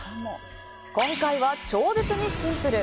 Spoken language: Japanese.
今回は、超絶にシンプル。